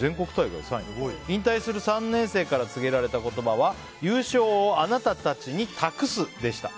引退する３年生から告げられた言葉は優勝をあなたたちに託すでした。